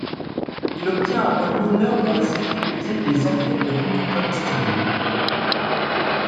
Il obtient un rôle mineur dans la série télévisée Les Enquêtes de Remington Steele.